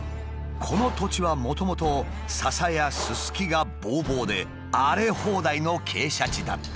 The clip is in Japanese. この土地はもともとささやすすきがぼうぼうで荒れ放題の傾斜地だった。